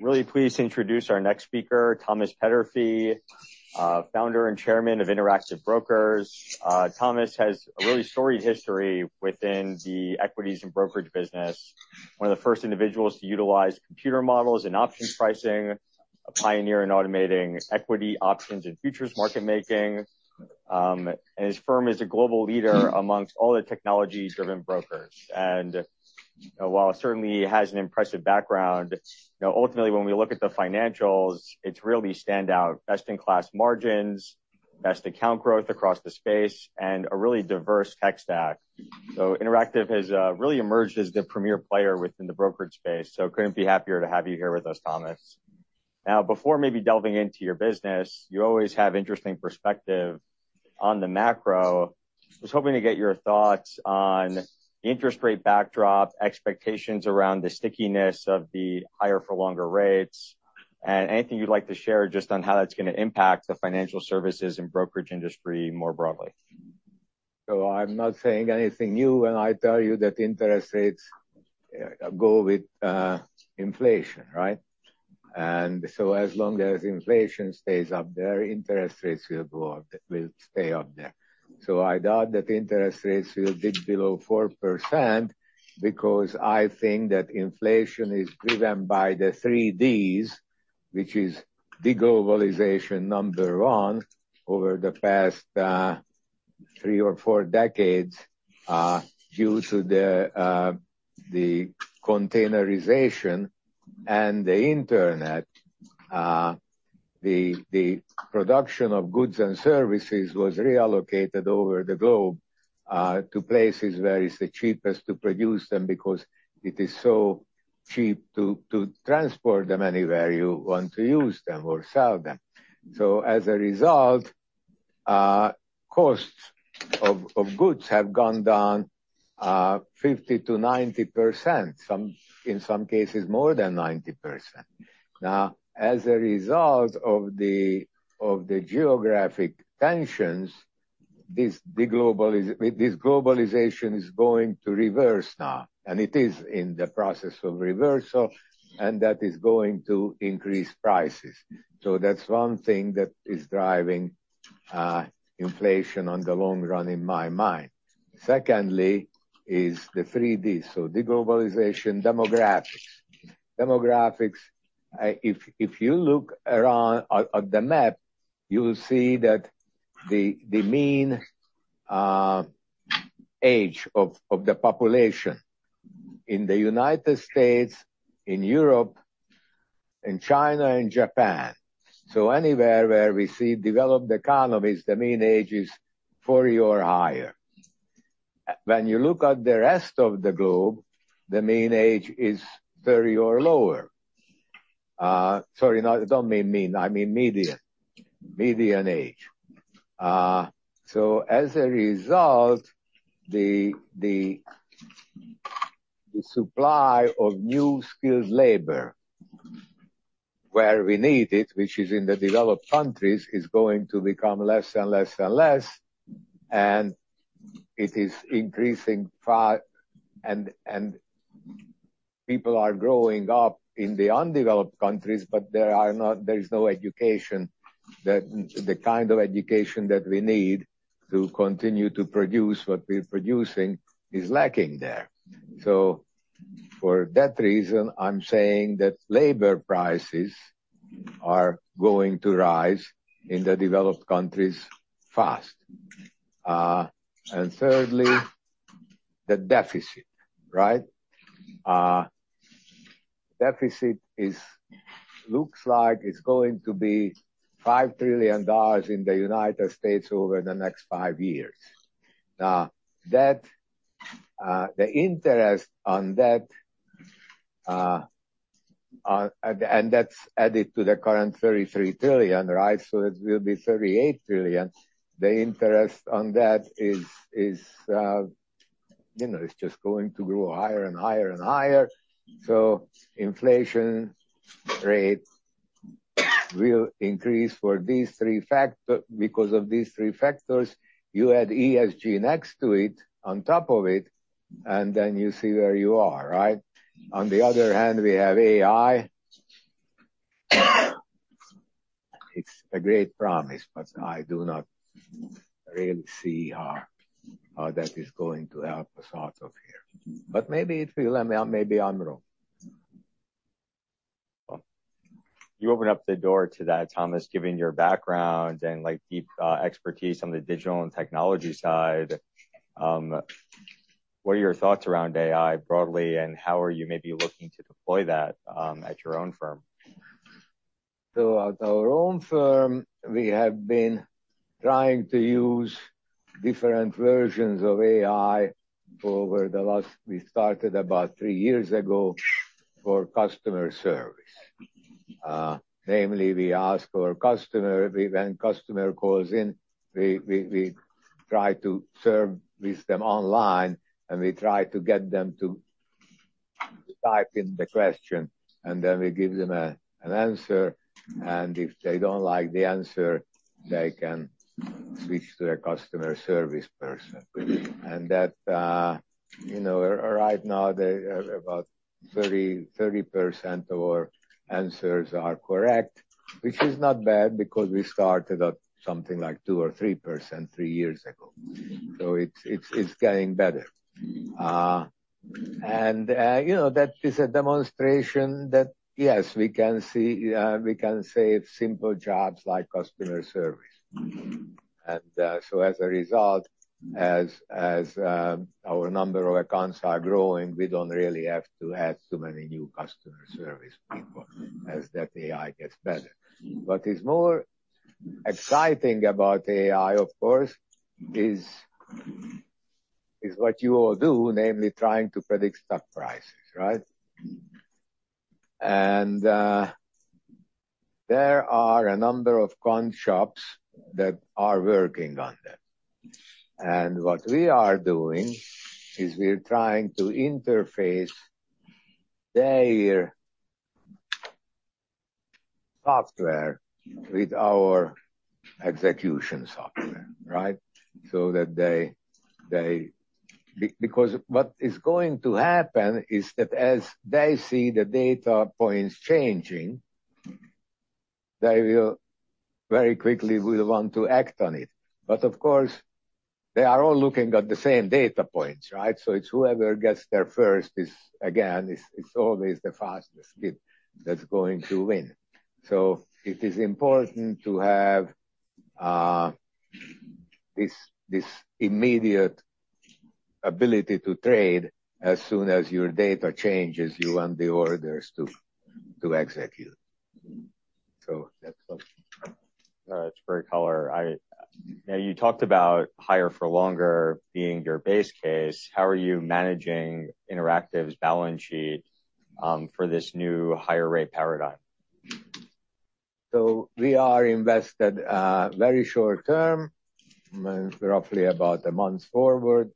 Really pleased to introduce our next speaker, Thomas Peterffy, Founder and Chairman of Interactive Brokers. Thomas has a really storied history within the equities and brokerage business. One of the first individuals to utilize computer models in options pricing, a pioneer in automating equity options and futures market making. His firm is a global leader amongst all the technology-driven brokers. While certainly he has an impressive background, ultimately, when we look at the financials, it's really standout best-in-class margins, best account growth across the space, and a really diverse tech stack. Interactive has really emerged as the premier player within the brokerage space. Couldn't be happier to have you here with us, Thomas. Now, before maybe delving into your business, you always have interesting perspective on the macro. I was hoping to get your thoughts on the interest rate backdrop, expectations around the stickiness of the higher for longer rates, and anything you'd like to share just on how that's going to impact the financial services and brokerage industry more broadly. I'm not saying anything new when I tell you that interest rates go with inflation, right? As long as inflation stays up there, interest rates will stay up there. I doubt that interest rates will dip below 4% because I think that inflation is driven by the three Ds, which is de-globalization, number one, over the past three or four decades, due to the containerization and the internet. The production of goods and services was reallocated over the globe, to places where it's the cheapest to produce them because it is so cheap to transport them anywhere you want to use them or sell them. As a result, costs of goods have gone down 50%-90%. In some cases, more than 90%. Now, as a result of the geographic tensions, this globalization is going to reverse now, it is in the process of reversal, and that is going to increase prices. That's one thing that is driving inflation on the long run in my mind. Secondly is the three Ds. De-globalization, demographics. Demographics, if you look around at the map, you will see that the mean age of the population in the U.S., in Europe, in China, and Japan. Anywhere where we see developed economies, the mean age is 40 or higher. When you look at the rest of the globe, the mean age is 30 or lower. Sorry, I don't mean mean, I mean median. Median age. As a result, the supply of new skilled labor where we need it, which is in the developed countries, is going to become less and less and less. People are growing up in the undeveloped countries, but there is no education. The kind of education that we need to continue to produce what we're producing is lacking there. For that reason, I'm saying that labor prices are going to rise in the developed countries fast. Thirdly, the deficit, right? Deficit looks like it's going to be $5 trillion in the U.S. over the next five years. Now, the interest on that. That's added to the current $33 trillion, right? It will be $38 trillion. The interest on that is just going to grow higher and higher and higher. Inflation rate will increase because of these three factors. You add ESG next to it, on top of it, and then you see where you are, right? On the other hand, we have AI. It's a great promise, I do not really see how that is going to help us out of here. Maybe it will, and maybe I'm wrong. You opened up the door to that, Thomas, given your background and deep expertise on the digital and technology side. What are your thoughts around AI broadly, and how are you maybe looking to deploy that at your own firm? At our own firm, we have been trying to use different versions of AI. We started about three years ago for customer service. Namely, when customer calls in, we try to service them online, and we try to get them to type in the question, and then we give them an answer. If they don't like the answer, they can switch to the customer service person. Right now, about 30% of our answers are correct, which is not bad because we started at something like 2% or 3% three years ago. It's getting better. That is a demonstration that, yes, we can save simple jobs like customer service. As a result, as our number of accounts are growing, we don't really have to add too many new customer service people as that AI gets better. What is more exciting about AI, of course, is what you all do, namely trying to predict stock prices, right? There are a number of quant shops that are working on that. What we are doing is we're trying to interface their software with our execution software, right? What is going to happen is that as they see the data points changing, they will very quickly will want to act on it. Of course, they are all looking at the same data points, right? It's whoever gets there first is, again, it's always the fastest kid that's going to win. It is important to have this immediate ability to trade. As soon as your data changes, you want the orders to execute. That's all. It's very color. You talked about higher for longer being your base case. How are you managing Interactive's balance sheet for this new higher rate paradigm? We are invested very short term, roughly about a month forward.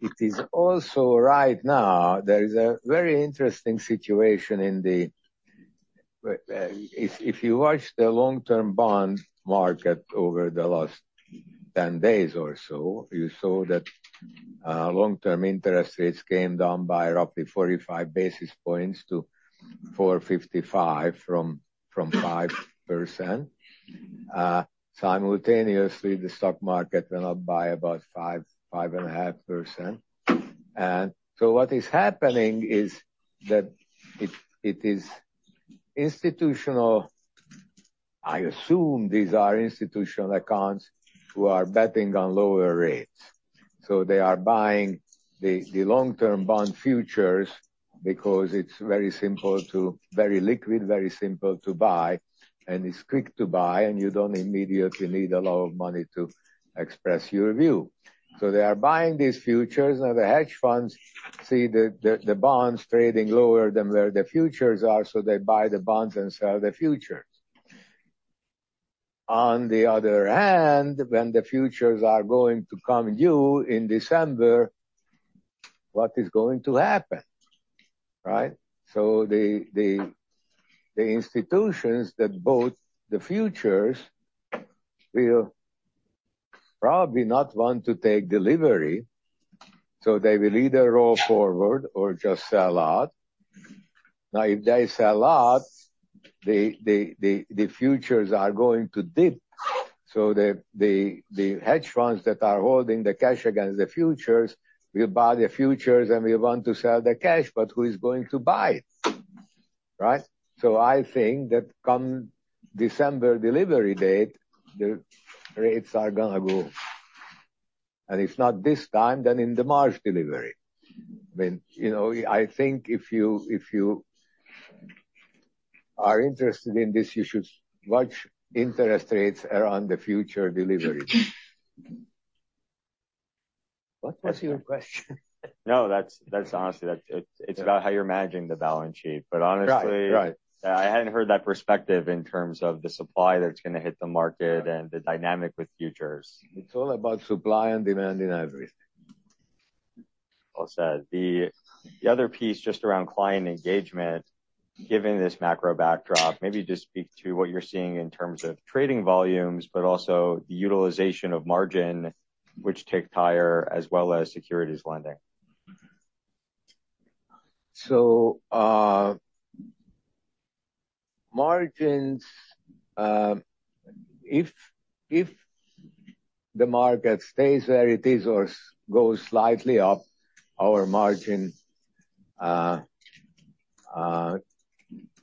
It is also right now, there is a very interesting situation. If you watch the long-term bond market over the last 10 days or so, you saw that long-term interest rates came down by roughly 45 basis points to 4.55% from 5%. Simultaneously, the stock market went up by about 5.5%. What is happening is that it is institutional, I assume these are institutional accounts who are betting on lower rates. They are buying the long-term bond futures because it's very liquid, very simple to buy, and it's quick to buy, and you don't immediately need a lot of money to express your view. They are buying these futures. The hedge funds see the bonds trading lower than where the futures are, so they buy the bonds and sell the futures. On the other hand, when the futures are going to come due in December, what is going to happen, right? The institutions that bought the futures will probably not want to take delivery, so they will either roll forward or just sell out. If they sell out, the futures are going to dip. The hedge funds that are holding the cash against the futures will buy the futures and will want to sell the cash, but who is going to buy it, right? I think that come December delivery date, the rates are going to go. If not this time, then in the March delivery. I think if you are interested in this, you should watch interest rates around the future delivery. What was your question? No, that's honestly, it's about how you're managing the balance sheet. honestly. Right I hadn't heard that perspective in terms of the supply that's going to hit the market and the dynamic with futures. It's all about supply and demand in everything. Well said. The other piece just around client engagement, given this macro backdrop, maybe just speak to what you're seeing in terms of trading volumes, but also the utilization of margin, which ticked higher, as well as securities lending. Margins, if the market stays where it is or goes slightly up, our margin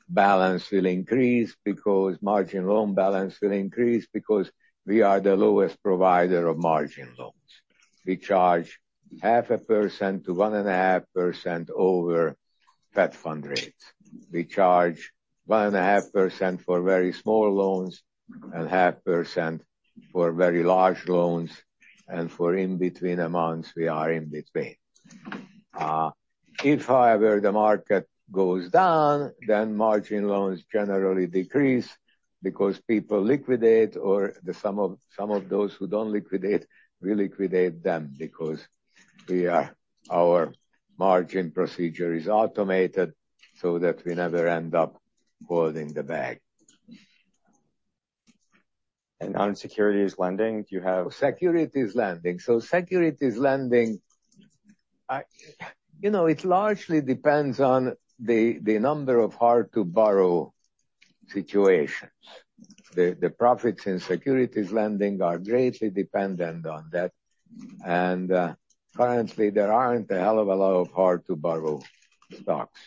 balance will increase because margin loan balance will increase because we are the lowest provider of margin loans. We charge 0.5% to 1.5% over Fed funds rate. We charge 1.5% for very small loans and 0.5% for very large loans, and for in between amounts, we are in between. If, however, the market goes down, margin loans generally decrease because people liquidate or some of those who don't liquidate, we liquidate them because our margin procedure is automated so that we never end up holding the bag. On securities lending, do you have? Securities lending. Securities lending, it largely depends on the number of hard to borrow situations. The profits in securities lending are greatly dependent on that. Currently, there aren't a hell of a lot of hard to borrow stocks.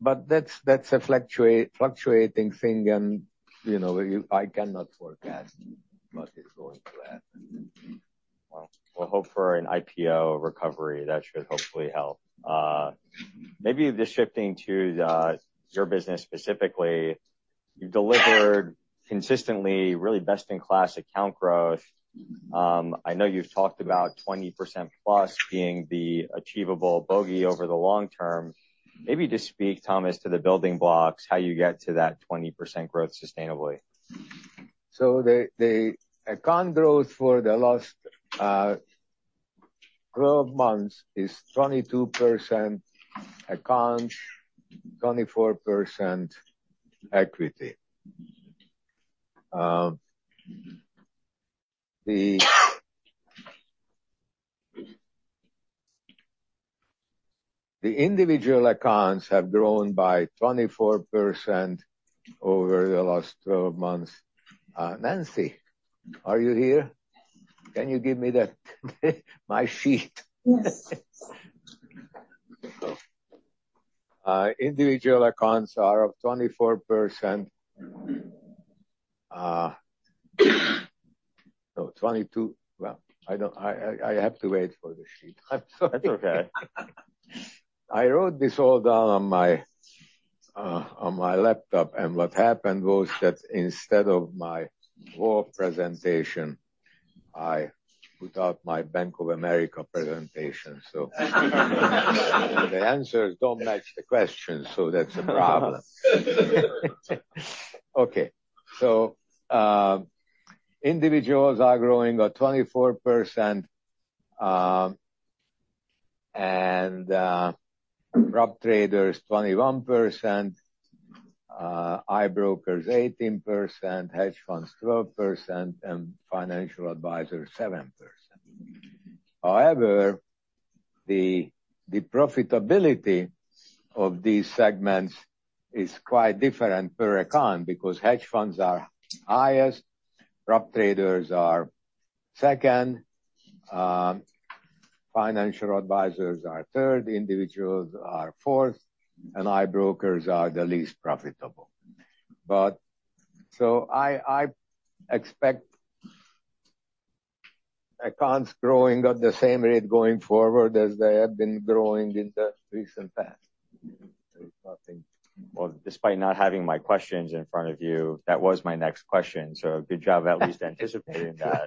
That's a fluctuating thing and I cannot forecast what is going to happen. We'll hope for an IPO recovery. That should hopefully help. Maybe just shifting to your business specifically, you've delivered consistently really best-in-class account growth. I know you've talked about 20%+ being the achievable bogey over the long term. Maybe just speak, Thomas, to the building blocks, how you get to that 20% growth sustainably. The account growth for the last 12 months is 22% account, 24% equity. The individual accounts have grown by 24% over the last 12 months. Nancy, are you here? Yes. Can you give me that my sheet? Yes. Individual accounts are up 24%. No, 22. I have to wait for the sheet. I'm sorry. That's okay. I wrote this all down on my laptop, what happened was that instead of my Wolfe presentation, I put out my Bank of America presentation. The answers don't match the questions, that's a problem. Okay. Individuals are growing at 24%, prop traders 21%, I brokers 18%, hedge funds 12%, and financial advisors 7%. However, the profitability of these segments is quite different per account because hedge funds are highest, prop traders are second, financial advisors are third, individuals are fourth, and I brokers are the least profitable. I expect accounts growing at the same rate going forward as they have been growing in the recent past. There's nothing Well, despite not having my questions in front of you, that was my next question. Good job at least anticipating that.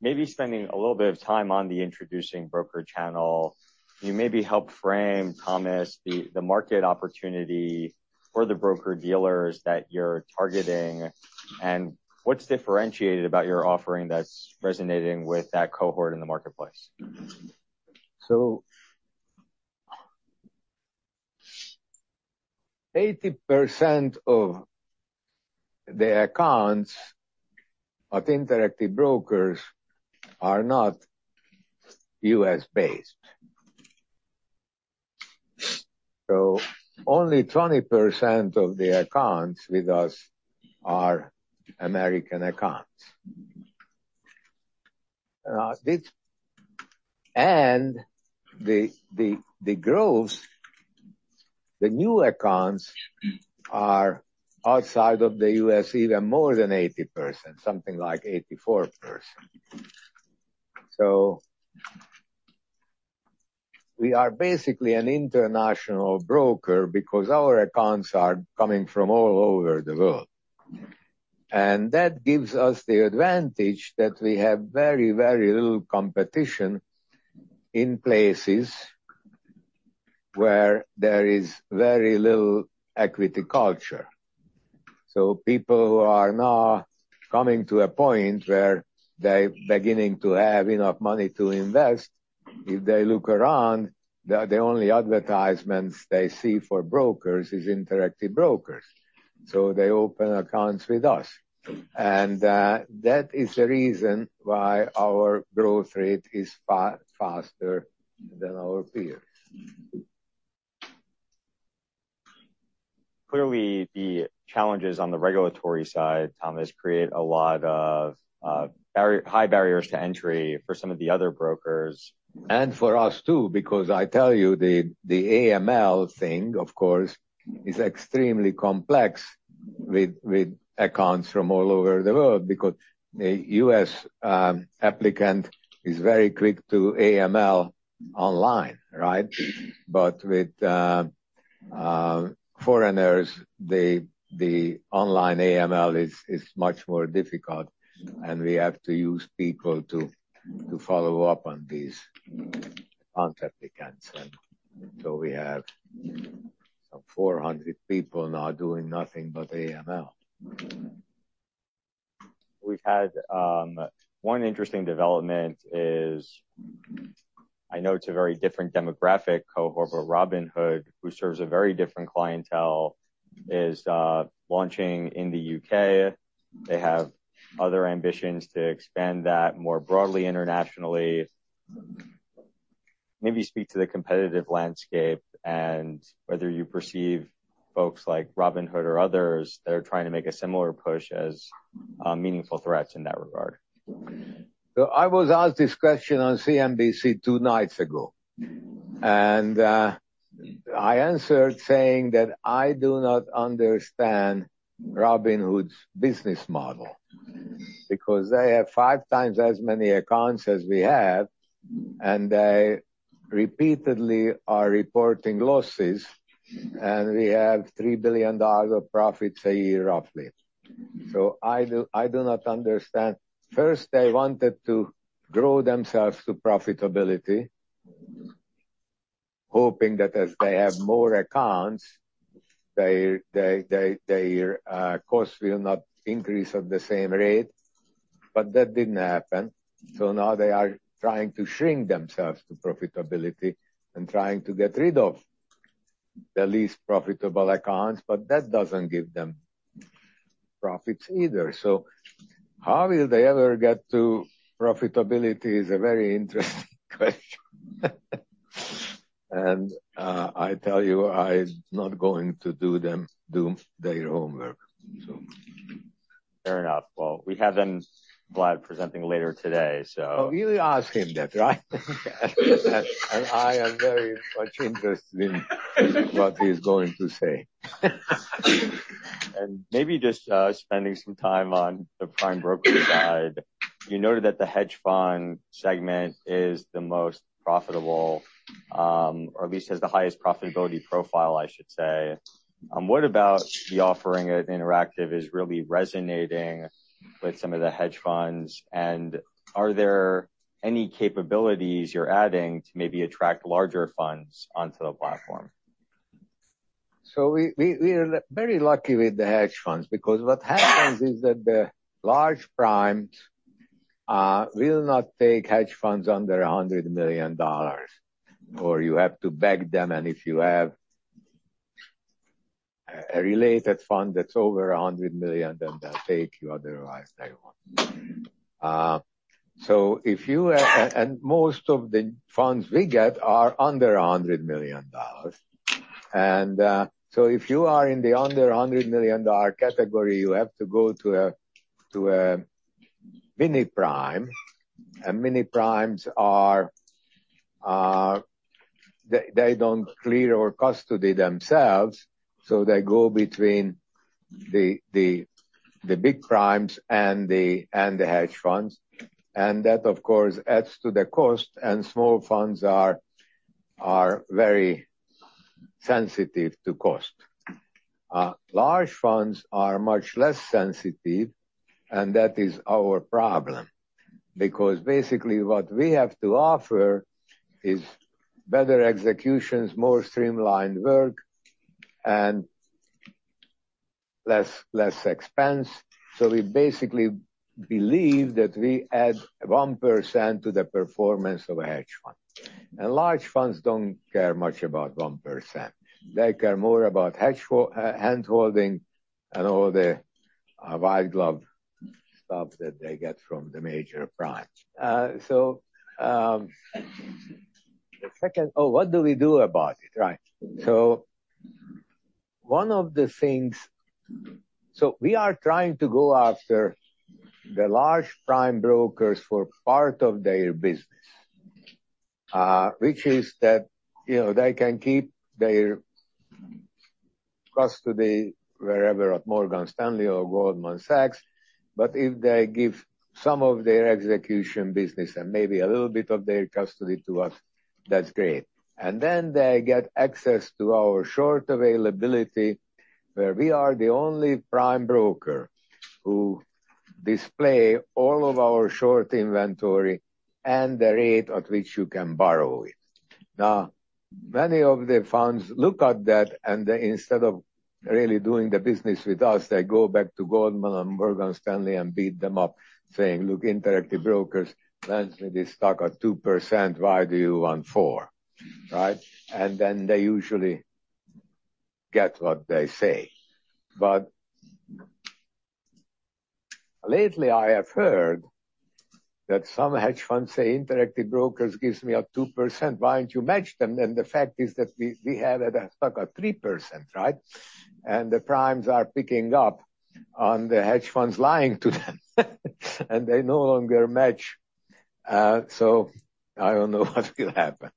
Maybe spending a little bit of time on the introducing broker channel, can you maybe help frame, Thomas, the market opportunity for the broker-dealers that you're targeting, and what's differentiated about your offering that's resonating with that cohort in the marketplace? 80% of the accounts at Interactive Brokers are not U.S.-based. Only 20% of the accounts with us are American accounts. The growth, the new accounts are outside of the U.S. even more than 80%, something like 84%. We are basically an international broker because our accounts are coming from all over the world. That gives us the advantage that we have very, very little competition in places where there is very little equity culture. People who are now coming to a point where they're beginning to have enough money to invest, if they look around, the only advertisements they see for brokers is Interactive Brokers. They open accounts with us. That is the reason why our growth rate is faster than our peers. Clearly, the challenges on the regulatory side, Thomas, create a lot of high barriers to entry for some of the other brokers. For us, too. I tell you, the AML thing, of course, is extremely complex with accounts from all over the world because a U.S. applicant is very quick to AML online, right? With foreigners, the online AML is much more difficult, and we have to use people to follow up on these account applicants. We have some 400 people now doing nothing but AML. We've had one interesting development is, I know it's a very different demographic cohort, but Robinhood, who serves a very different clientele, is launching in the U.K. They have other ambitions to expand that more broadly internationally. Maybe speak to the competitive landscape and whether you perceive folks like Robinhood or others that are trying to make a similar push as meaningful threats in that regard. I was asked this question on CNBC two nights ago, and I answered saying that I do not understand Robinhood's business model because they have five times as many accounts as we have, and they repeatedly are reporting losses. We have $3 billion of profits a year, roughly. I do not understand. First, they wanted to grow themselves to profitability, hoping that as they have more accounts, their cost will not increase at the same rate, but that didn't happen. Now they are trying to shrink themselves to profitability and trying to get rid of the least profitable accounts, that doesn't give them profits either. How will they ever get to profitability is a very interesting question. I tell you, I'm not going to do their homework. Fair enough. Well, we have them, Vlad, presenting later today. Oh, you ask him that, right? I am very much interested in what he's going to say. Maybe just spending some time on the prime brokerage side. You noted that the hedge fund segment is the most profitable, or at least has the highest profitability profile, I should say. What about the offering at Interactive is really resonating with some of the hedge funds, and are there any capabilities you're adding to maybe attract larger funds onto the platform? We are very lucky with the hedge funds because what happens is that the large primes will not take hedge funds under $100 million, or you have to beg them. If you have a related fund that's over $100 million, then they'll take you. Otherwise, they won't. Most of the funds we get are under $100 million. If you are in the under $100 million category, you have to go to a mini-prime. Mini-primes they don't clear or custody themselves, so they go between the big primes and the hedge funds. That, of course, adds to the cost, and small funds are very sensitive to cost. Large funds are much less sensitive, and that is our problem because basically what we have to offer is better executions, more streamlined work, and less expense. We basically believe that we add 1% to the performance of a hedge fund. Large funds don't care much about 1%. They care more about hand-holding and all the white glove stuff that they get from the major primes. The second-- Oh, what do we do about it? Right. We are trying to go after the large prime brokers for part of their business, which is that they can keep their custody wherever, at Morgan Stanley or Goldman Sachs. If they give some of their execution business and maybe a little bit of their custody to us, that's great. Then they get access to our short availability, where we are the only prime broker who display all of our short inventory and the rate at which you can borrow it. Now, many of the funds look at that, and instead of really doing the business with us, they go back to Goldman and Morgan Stanley and beat them up saying, "Look, Interactive Brokers lends me this stock at 2%. Why do you want 4%?" Right. Then they usually get what they say. Lately, I have heard that some hedge funds say, "Interactive Brokers gives me a 2%, why don't you match them?" The fact is that we had that stock at 3%, right? The primes are picking up on the hedge funds lying to them, and they no longer match. I don't know what will happen.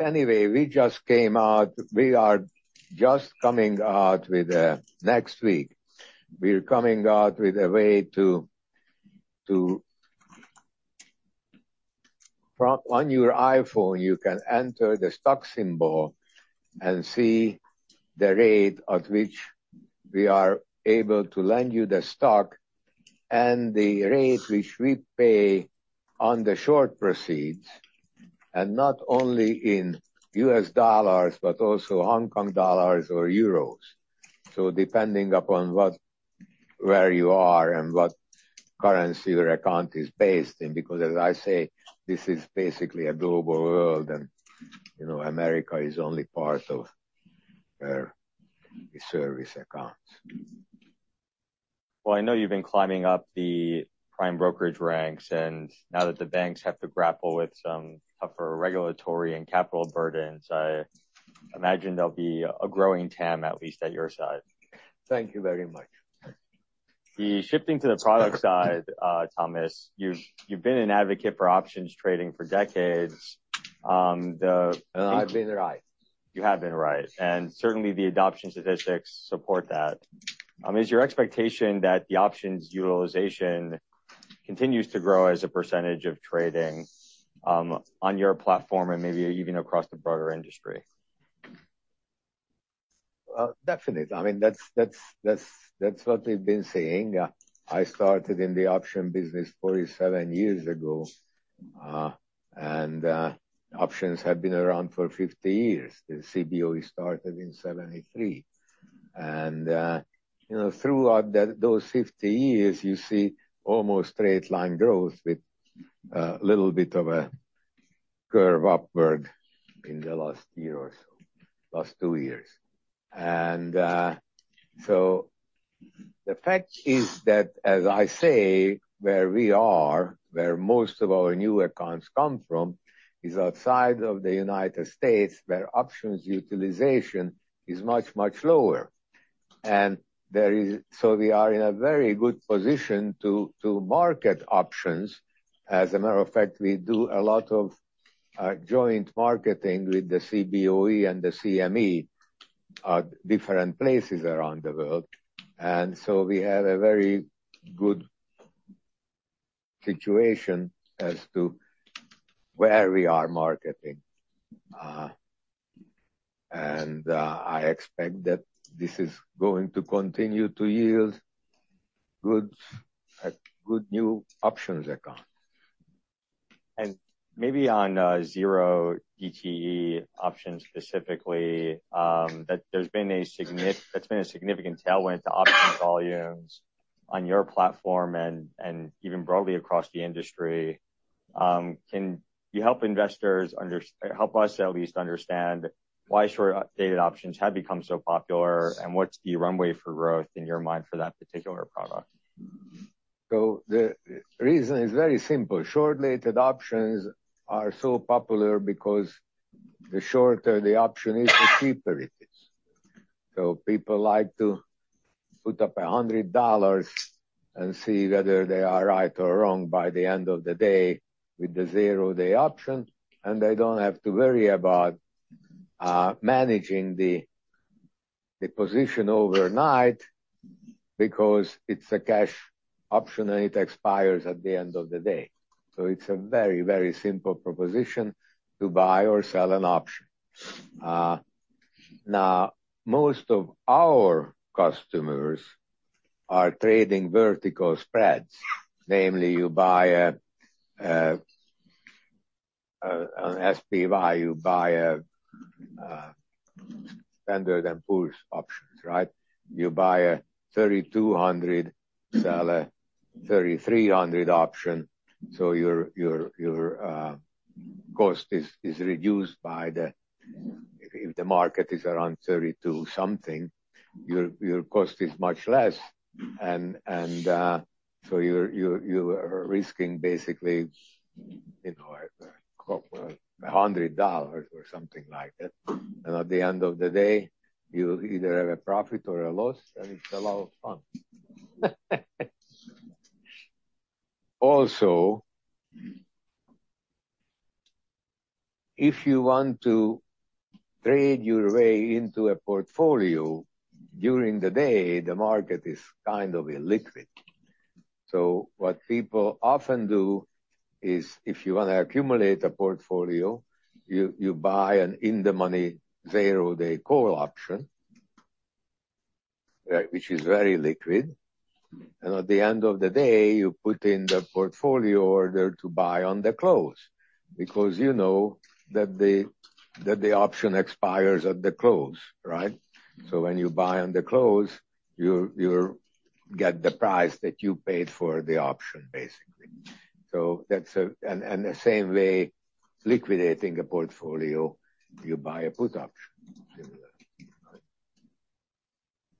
Anyway, we are just coming out with next week, we're coming out with a way to On your iPhone, you can enter the stock symbol and see the rate at which we are able to lend you the stock And the rate which we pay on the short proceeds, and not only in USD, but also HKD or EUR. Depending upon where you are and what currency your account is based in, because as I say, this is basically a global world, and America is only part of where we service accounts. I know you've been climbing up the prime brokerage ranks. Now that the banks have to grapple with some tougher regulatory and capital burdens, I imagine there'll be a growing TAM, at least at your side. Thank you very much. Shifting to the product side, Thomas, you've been an advocate for options trading for decades. I've been right. You have been right, and certainly the adoption statistics support that. Is your expectation that the options utilization continues to grow as a percentage of trading on your platform and maybe even across the broader industry? Definitely. That's what we've been seeing. I started in the option business 47 years ago, and options have been around for 50 years. The CBOE started in 1973. Throughout those 50 years, you see almost straight line growth with a little bit of a curve upward in the last year or so, last two years. The fact is that, as I say, where we are, where most of our new accounts come from, is outside of the U.S., where options utilization is much, much lower. We are in a very good position to market options. As a matter of fact, we do a lot of joint marketing with the CBOE and the CME at different places around the world. We have a very good situation as to where we are marketing. I expect that this is going to continue to yield good new options accounts. Maybe on zero DTE options specifically, that's been a significant tailwind to option volumes on your platform and even broadly across the industry. Can you help us at least understand why short-dated options have become so popular, and what's the runway for growth in your mind for that particular product? The reason is very simple. Short-dated options are so popular because the shorter the option is, the cheaper it is. People like to put up $100 and see whether they are right or wrong by the end of the day with the zero-day option, and they don't have to worry about managing the position overnight because it's a cash option, and it expires at the end of the day. It's a very, very simple proposition to buy or sell an option. Now, most of our customers are trading vertical spreads. Namely, you buy an SPY, you buy a Standard & Poor's options, right? You buy a 3,200, sell a 3,300 option, so your cost is reduced by the If the market is around 32-something, your cost is much less. You are risking basically $100 or something like that. At the end of the day, you either have a profit or a loss, it's a lot of fun. Also, if you want to trade your way into a portfolio during the day, the market is kind of illiquid. What people often do is if you want to accumulate a portfolio, you buy an in-the-money zero-day call option, which is very liquid. At the end of the day, you put in the portfolio order to buy on the close because you know that the option expires at the close, right? When you buy on the close, you get the price that you paid for the option, basically. The same way liquidating a portfolio, you buy a put option.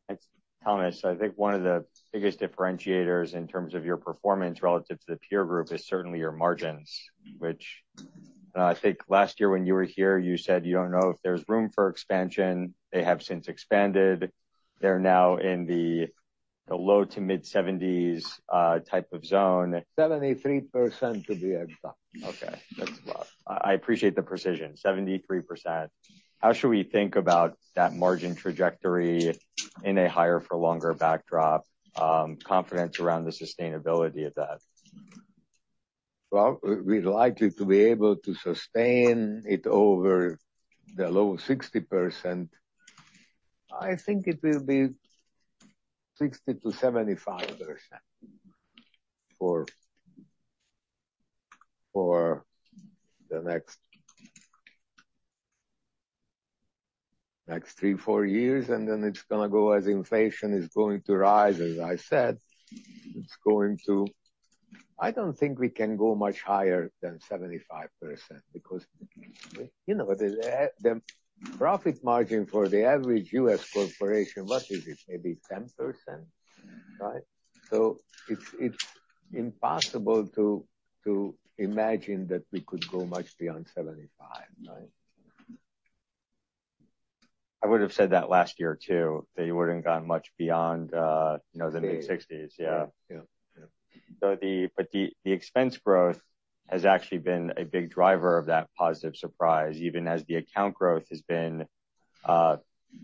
Thanks, Thomas. I think one of the biggest differentiators in terms of your performance relative to the peer group is certainly your margins, which I think last year when you were here, you said you don't know if there's room for expansion. They have since expanded. They're now in the low to mid-70s type of zone. 73% to be exact. Okay. That's a lot. I appreciate the precision, 73%. How should we think about that margin trajectory in a higher for longer backdrop, confidence around the sustainability of that? We're likely to be able to sustain it over the low 60%. I think it will be 60%-75% for the next three, four years, and then it's going to go as inflation is going to rise, as I said. I don't think we can go much higher than 75%, because the profit margin for the average U.S. corporation, what is it? Maybe 10%, right? It's impossible to imagine that we could go much beyond 75%, right? I would've said that last year, too, that you wouldn't have gone much beyond the mid-60s. Yeah. Yeah. The expense growth has actually been a big driver of that positive surprise. Even as the account growth has been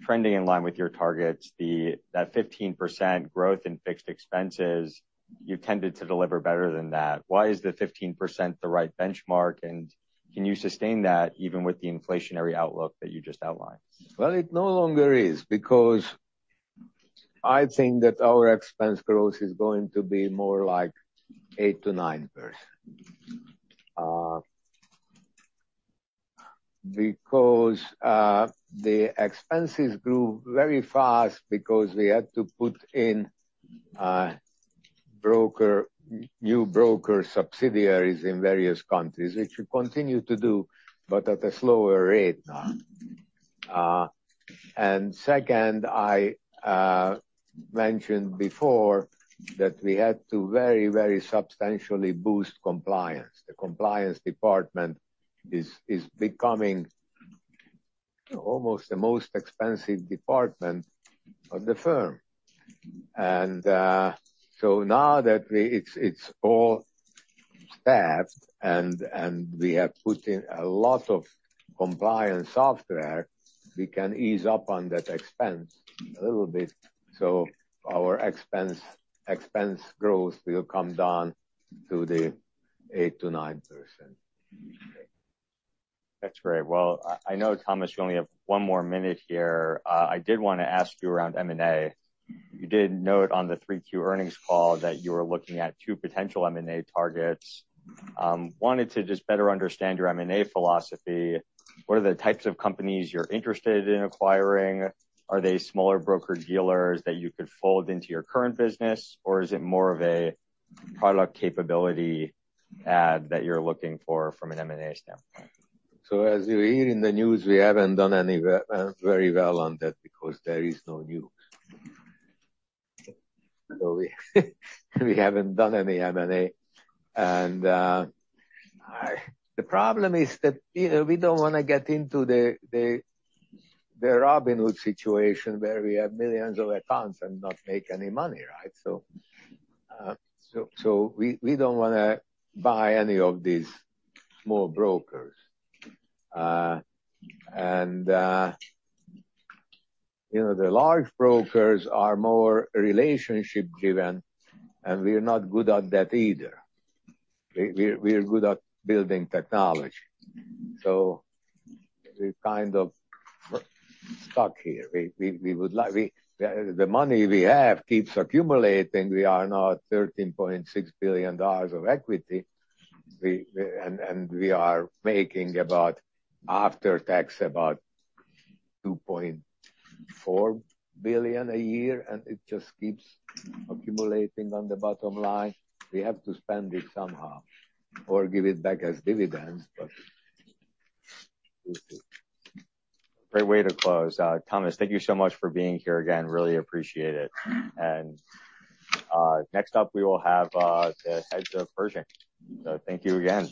trending in line with your targets, that 15% growth in fixed expenses, you tended to deliver better than that. Why is the 15% the right benchmark, and can you sustain that even with the inflationary outlook that you just outlined? It no longer is, because I think that our expense growth is going to be more like 8%-9%. The expenses grew very fast because we had to put in new broker subsidiaries in various countries, which we continue to do, but at a slower rate now. Second, I mentioned before that we had to very, very substantially boost compliance. The compliance department is becoming almost the most expensive department of the firm. Now that it's all staffed, and we have put in a lot of compliance software, we can ease up on that expense a little bit, so our expense growth will come down to the 8%-9%. That's great. Well, I know, Thomas, you only have one more minute here. I did want to ask you around M&A. You did note on the 3Q earnings call that you were looking at two potential M&A targets. I wanted to just better understand your M&A philosophy. What are the types of companies you're interested in acquiring? Are they smaller broker-dealers that you could fold into your current business, or is it more of a product capability add that you're looking for from an M&A standpoint? As you read in the news, we haven't done very well on that because there is no news. We haven't done any M&A. The problem is that we don't want to get into the Robinhood situation where we have millions of accounts and not make any money, right? We don't want to buy any of these small brokers. The large brokers are more relationship driven, and we are not good at that either. We are good at building technology. We're kind of stuck here. The money we have keeps accumulating. We are now at $13.6 billion of equity, and we are making after tax, about $2.4 billion a year, and it just keeps accumulating on the bottom line. We have to spend it somehow or give it back as dividends. Great way to close. Thomas, thank you so much for being here again. Really appreciate it. Next up, we will have the heads of Pershing. Thank you again.